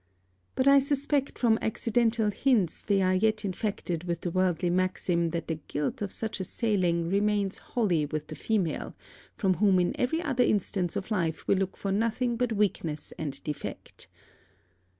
But I suspect from accidental hints they are yet infected with the worldly maxim that the guilt of such a sailing remains wholly with the female, from whom in every other instance of life we look for nothing but weakness and defect.